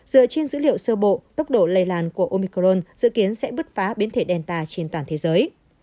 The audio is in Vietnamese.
dựa trên dữ liệu sơ bộ tốc độ lây lan của omicron dự kiến sẽ bứt phá biến thể delta trên toàn thế giới